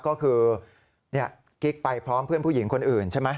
ก็คือกิ๊กไปพร้อมเพื่อนผู้หญิงคนอื่นใช่ไหม